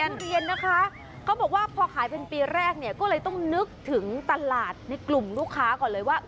เรียนนะคะเขาบอกว่าพอขายเป็นปีแรกเนี่ยก็เลยต้องนึกถึงตลาดในกลุ่มลูกค้าก่อนเลยว่า